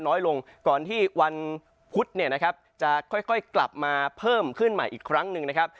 น้อยลงก่อนที่วันพุธเนี่ยนะครับจะค่อยกลับมาเพิ่มขึ้นใหม่อีกครั้งหนึ่งนะครับ